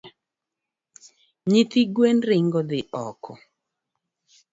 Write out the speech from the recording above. Nyithi guen ringo dhi oko